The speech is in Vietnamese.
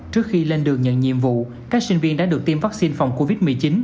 trước khi lên đường nhận nhiệm vụ các sinh viên đã được tiêm vaccine phòng covid một mươi chín